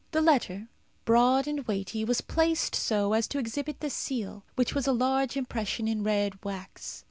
The letter, broad and weighty, was placed so as to exhibit the seal, which was a large impression in red wax.